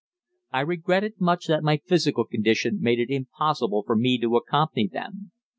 I regretted much that my physical condition made it impossible for me to accompany them.